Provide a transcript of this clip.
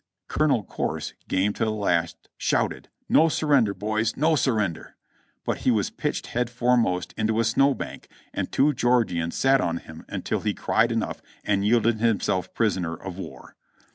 Colonel Corse, game to the last, shouted, "No surrender, boys! No surrender!" But he was pitched head foremost into a snow bank and two Geor gians sat on him until he cried enough and yielded himself prisoner of war.